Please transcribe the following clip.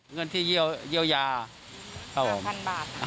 เงินที่เยียวยาครับผมห้าพันบาท